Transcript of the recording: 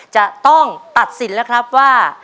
จะต้องตัดสินแล้วครับว่า